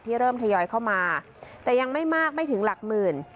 เริ่มทยอยเข้ามาแต่ยังไม่มากไม่ถึงหลักหมื่น